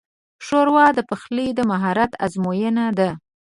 ښوروا د پخلي د مهارت ازموینه ده.